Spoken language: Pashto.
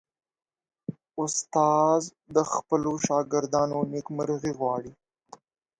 استاد د خپلو شاګردانو نیکمرغي غواړي.